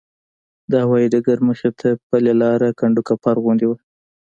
د هوایي ډګر مخې ته پلې لاره کنډوکپر غوندې وه.